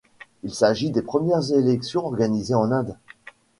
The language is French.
Il s'agit des premières élections organisées en Inde.